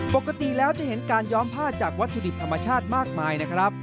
ปกติแล้วจะเห็นการย้อมผ้าจากวัตถุดิบธรรมชาติมากมายนะครับ